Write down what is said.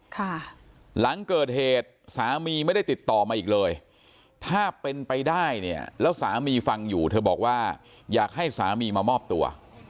ค่ะหลังเกิดเหตุสามีไม่ได้ติดต่อมาอีกเลยถ้าเป็นไปได้เนี่ยแล้วสามีฟังอยู่เธอบอกว่าอยากให้สามีมามอบตัว